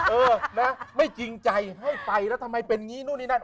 เออนะไม่จริงใจให้ไปแล้วทำไมเป็นอย่างนี้นู่นนี่นั่น